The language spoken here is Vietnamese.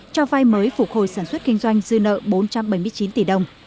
cho vai mới phục hồi sản xuất kinh doanh dư nợ bốn trăm bảy mươi chín tỷ đồng